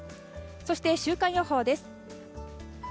そして週間予報です。